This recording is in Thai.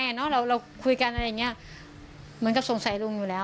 เนอะเราเราคุยกันอะไรอย่างเงี้ยเหมือนกับสงสัยลุงอยู่แล้ว